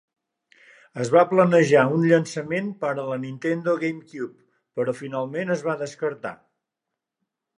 Es va planejar un llançament per a la Nintendo GameCube, però finalment es va descartar.